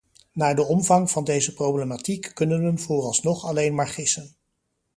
Naar de omvang van deze problematiek kunnen we vooralsnog alleen maar gissen.